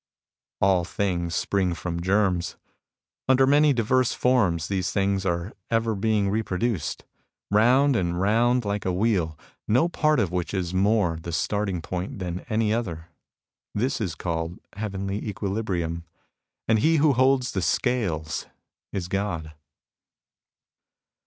All things spring from germs. Under many diverse forms these things are ever being repro duced. Round and round, like a wheel, no part of which is more the starting point than any other. This is called heavenly equilibrium. And he who holds the scales is God.